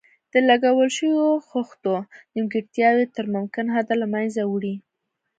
د لګول شویو خښتو نیمګړتیاوې تر ممکن حده له منځه وړي.